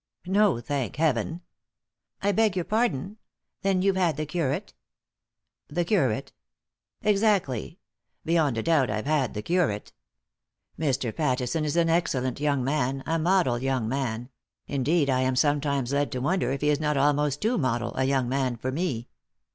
" No — thank heaven." " I beg your pardon? Then you've had the curate." " The curate ? Exactly ; beyond a doubt I've had 3i 9 iii^d by Google THE INTERRUPTED KISS the curate. Mr. Pattison is an excellent young man, a model young man — indeed I am sometimes led to wonder if he is not almost too model a young man for me.